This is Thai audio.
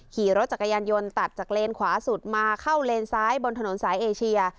ขี่รถจักรยานยนต์ตัดจากเลนขวาสุดมาเข้าเลนซ้ายบนถนนสายเอเชีย